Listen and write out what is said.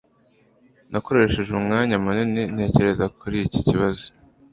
nakoresheje umwanya munini ntekereza kuri iki kibazo